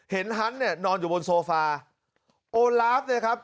ฮันต์เนี่ยนอนอยู่บนโซฟาโอลาฟเนี่ยครับ